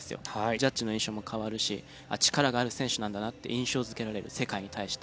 ジャッジの印象も変わるし力がある選手なんだなって印象付けられる世界に対して。